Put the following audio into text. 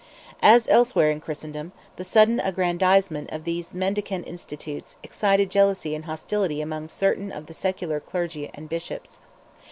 As elsewhere in Christendom, the sudden aggrandizement of these mendicant institutes excited jealousy and hostility among certain of the secular clergy and Bishops.